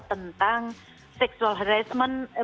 tentang sexual harassment